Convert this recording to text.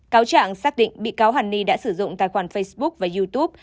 cáo trạng xác định bị cáo hàn ni đã sử dụng tài khoản facebook và youtube